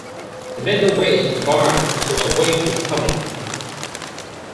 They made their way to the barn to await his coming.